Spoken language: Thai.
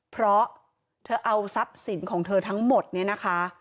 เพราะเธอเอาทรัพย์สินของเธอทั้งหมดเนี่ยนะคะ